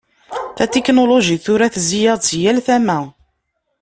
Tatiknulujit tura tezzi-aɣ-d si yal tama.